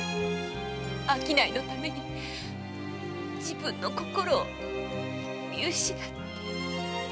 商いのために自分の心を見失って。